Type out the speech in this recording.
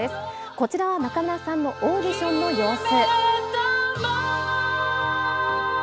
こちらは中村さんのオーディションの様子。